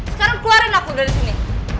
sekarang keluarin aku dari sini